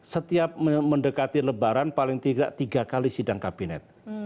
setiap mendekati lebaran paling tidak tiga kali sidang kabinet